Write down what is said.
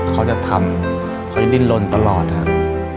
เค้าจะทำเค้าจะดินลนตลอดครับ